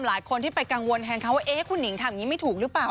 หลายคนที่ไปกังวลแทนเขาว่าคุณหนิงทำอย่างนี้ไม่ถูกหรือเปล่า